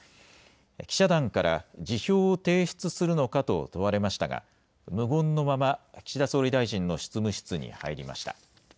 記者団から辞表を提出するのかと問われましたが無言のまま岸田総理大臣の執務室に入りました。